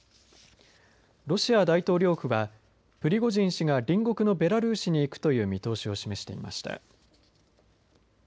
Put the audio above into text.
ロシア大統領府はプリゴジン氏が隣国のベラルーシに行くという見通しを示していました。